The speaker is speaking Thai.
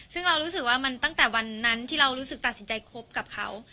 ซึ่งเรารู้สึกว่ามันตั้งแต่วันนั้นที่เรารู้สึกตัดสินใจคบกับเขา